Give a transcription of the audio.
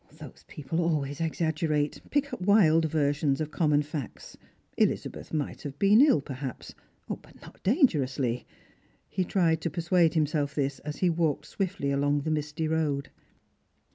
Those people always exaggerate; pick up wild versions of common facts. Elizabeth might have been ill, perhaps, but not dangerously. He tried to persuade himself this as he walked Bwittly along the misty road.